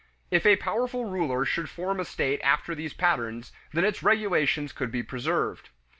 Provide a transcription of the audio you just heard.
If a powerful ruler should form a state after these patterns, then its regulations could be preserved.